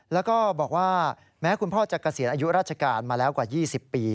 แล้วก็บอกว่าแม้คุณพ่อจะเกษียณอายุราชการมาแล้วกว่า๒๐ปี